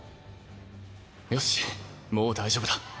よしもう大丈夫だ。